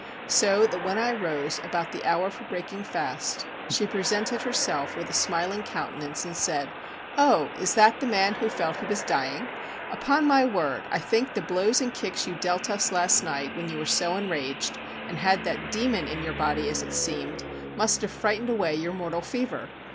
So that when I rose, about the hour for breaking fast, she presented herself with a smiling countenance and said, "Oh, is that the man who felt that he was dying? Upon my word, I think the blows and kicks you dealt us last night, when you were so enraged, and had that demon in your body as it seemed, must have frightened away your mortal fever!